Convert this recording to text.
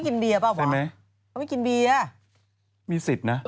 จากกระแสของละครกรุเปสันนิวาสนะฮะ